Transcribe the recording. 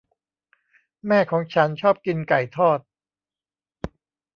แม่ของฉันชอบกินไก่ทอด